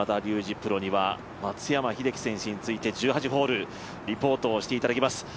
プロには松山英樹選手について１８ホール、リポートをしていただきます。